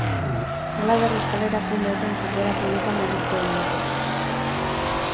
Halaber, euskal erakundeetan jarduera publikoa murriztu egin dute.